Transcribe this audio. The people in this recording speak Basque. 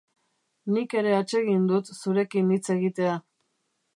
Nik ere atsegin dut zurekin hitz egitea.